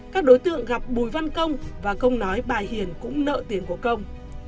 các đối tượng gặp bùi văn công và công nói bà hiền cũng nợ tiền của công